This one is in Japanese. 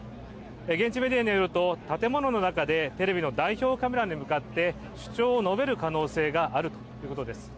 現地メディアによる建物の中で代表カメラに向かって主張を述べる可能性があるということです。